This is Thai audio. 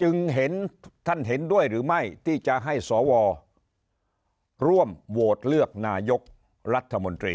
จึงเห็นท่านเห็นด้วยหรือไม่ที่จะให้สวร่วมโหวตเลือกนายกรัฐมนตรี